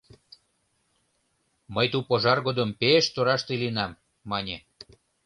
— Мый ту пожар годым пеш тораште лийынам, — мане.